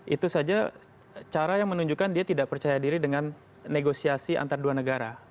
itu saja cara yang menunjukkan dia tidak percaya diri dengan negosiasi antar dua negara